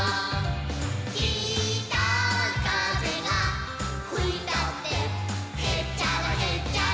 「きたかぜがふいたってへっちゃらへっちゃら」